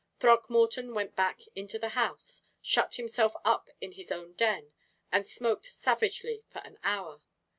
Throckmorton went back into the house, shut himself up in his own den, and smoked savagely for an hour.